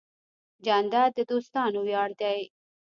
جانداد د دوستانو ویاړ دی.